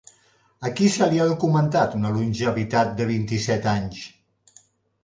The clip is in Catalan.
A qui se li ha documentat una longevitat de vint-i-set anys?